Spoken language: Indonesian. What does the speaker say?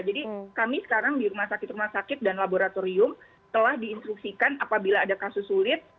jadi kami sekarang di rumah sakit rumah sakit dan laboratorium telah diinstruksikan apabila ada kasus sulit